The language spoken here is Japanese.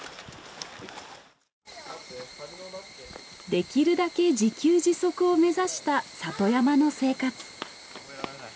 できるだけ自給自足を目指した里山の生活。